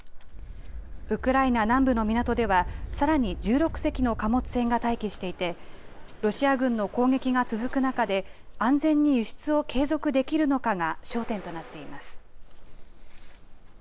ウクライナ南部の港ではさらに１６隻の貨物船が待機していてロシア軍の攻撃が続くなかで安全に輸出を継続できるのかが焦点となっています。